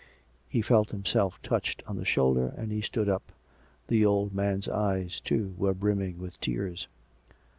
He felt himself touched on the shoulder, and he stood up. The old man's eyes, too, were brimming with tears.